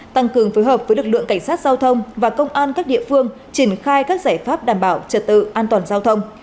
tăng cường phối hợp với lực lượng cảnh sát giao thông và công an các địa phương triển khai các giải pháp đảm bảo trật tự an toàn giao thông